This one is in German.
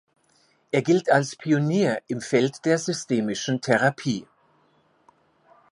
Er gilt als „Pionier im Feld der systemischen Therapie“.